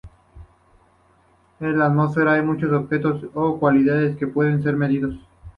En la atmósfera, hay muchos objetos o cualidades que pueden ser medidos.